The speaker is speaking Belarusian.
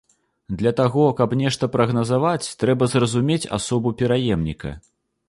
Для таго, каб нешта прагназаваць, трэба зразумець асобу пераемніка.